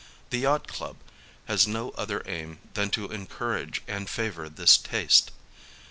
The yacht club has no other aim than to encourage and favour this taste.